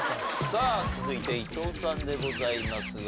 さあ続いて伊藤さんでございますが。